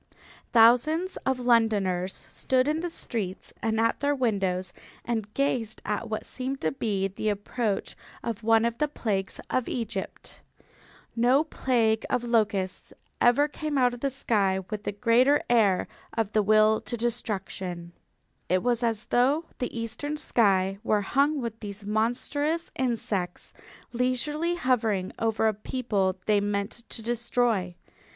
Thousands of Londoners stood in the streets and at their windows and gazed at what seemed to be the approach of one of the plagues of Egypt. No plague of locusts ever came out of the sky with a greater air of the will to destruction. It was as though the eastern sky were hung with these monstrous insects, leisurely hovering over a people they meant to destroy.